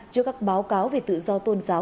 cho các báo cáo về tự do tôn giáo